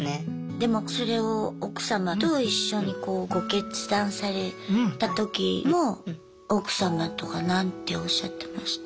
でもそれを奥様と一緒にご決断された時も奥様とか何ておっしゃってました？